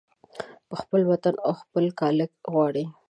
په خپل وطن او خپل کاله غواړي